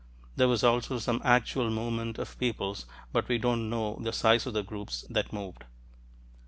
There was also some actual movement of peoples, but we don't know the size of the groups that moved.